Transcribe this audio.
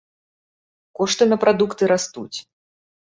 Кошты на прадукты растуць.